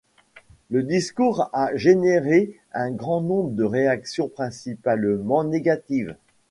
Le discours a généré un grand nombre de réactions, principalement négatives.